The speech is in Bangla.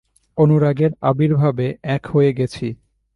অনুরাগের আবির্ভাবে এক হয়ে গেছি।